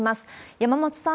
山本さん。